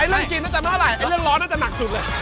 เรื่องจีนน่าจะเมื่อไหร่เรื่องร้อนน่าจะหนักสุดเลย